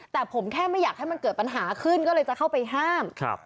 แต่ผมแค่ไม่อยากให้มันเกิดปัญหาขึ้นก็เลยจะเข้าไปห้าม